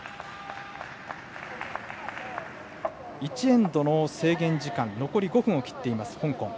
１エンドの制限時間は残り５分を切っている香港。